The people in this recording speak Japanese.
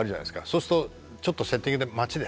そうすると「ちょっとセッティングで待ちです」。